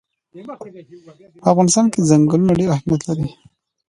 په افغانستان کې ځنګلونه ډېر اهمیت لري.